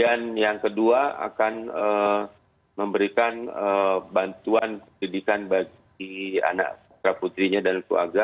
dan yang ketiga akan memberikan bantuan pendidikan bagi anak putra putrinya dan keluarga